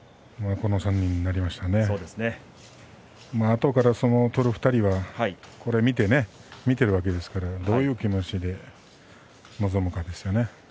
あとから相撲を取る２人はこれを見ているわけですからどういう気持ちで臨むかですね。